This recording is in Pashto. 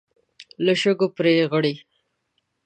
له شګو پړي غړي.